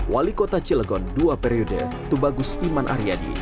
wali kota cilegon dua periode tubagus iman aryadi